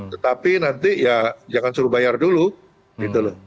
tetapi nanti ya jangan suruh bayar dulu gitu loh